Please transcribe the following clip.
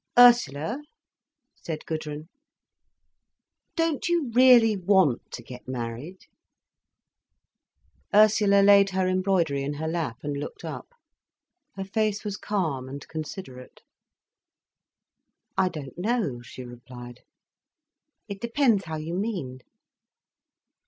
"Ursula," said Gudrun, "don't you really want to get married?" Ursula laid her embroidery in her lap and looked up. Her face was calm and considerate. "I don't know," she replied. "It depends how you mean."